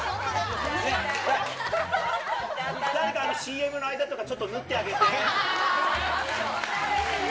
誰かＣＭの間とかちょっと縫ってあげて。